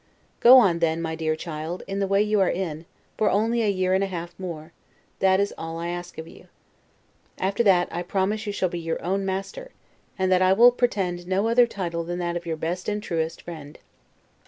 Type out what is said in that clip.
Go on, then, my dear child, in the way you are in, only for a year and a half more: that is all I ask of you. After that, I promise that you shall be your own master, and that I will pretend to no other title than that of your best and truest friend.